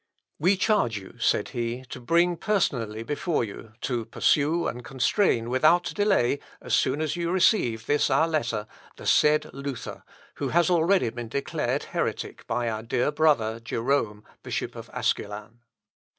"We charge you," said he, "to bring personally before you, to pursue and constrain without delay, and as soon as you receive this our letter, the said Luther, who has already been declared heretic by our dear brother, Jerome, Bishop of Asculan."